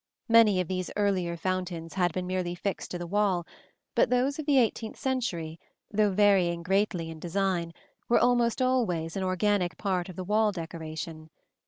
Many of these earlier fountains had been merely fixed to the wall; but those of the eighteenth century, though varying greatly in design, were almost always an organic part of the wall decoration (see Plate LI).